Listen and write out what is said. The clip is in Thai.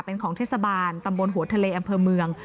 เป็นของเทศบาลตำบลหัวทะเลอำเภอเมือง